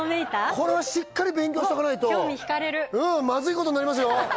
これはしっかり勉強しとかないとうんまずいことになりますよ